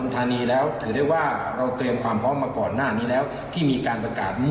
ตัวแทนภัทยา